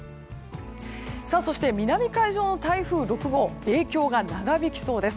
そして、南海上の台風６号影響が長引きそうです。